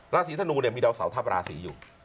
ราศีธนูเนี่ยมีดาวเสาทัพราศีอยู่